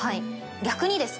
逆にですね